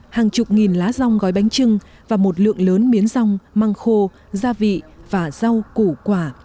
hàng chục nghìn lá rong gói bánh trưng và một lượng lớn miến rong măng khô gia vị và rau củ quả